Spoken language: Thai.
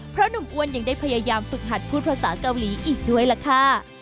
เพราะหนุ่มอ้วนยังได้พยายามฝึกหัดพูดภาษาเกาหลีอีกด้วยล่ะค่ะ